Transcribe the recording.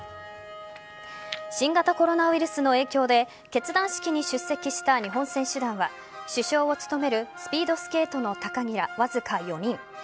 新型コロナウイルスの影響で結団式に出席した日本選手団は主将を務めるスピードスケートの高木らわずか４人。